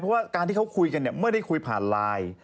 เพราะว่าการที่เขาคุยกันเนี่ยไม่ได้คุยผ่านไลน์